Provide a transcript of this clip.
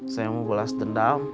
saya mau bolas dendam